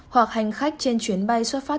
hoặc hành khách trên chuyến bay xuất phát